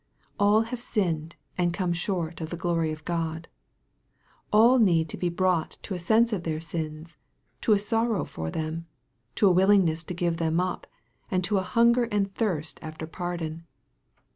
All have sinned and come short of the glory of God. All need to be brought to a sense of their sins to a sorrow for them to a wil lingness to give them up and to a hunger and thirst after pardon.